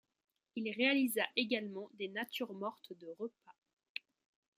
Il réalisa également des natures mortes de repas.